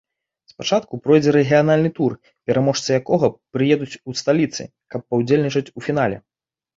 Спачатку пройдзе рэгіянальны тур, пераможцы якога прыедуць у сталіцы, каб паўдзельнічаюць у фінале.